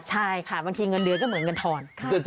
ใช่ค่ะบางทีเงินเดือนก็เหมือนเงินทอน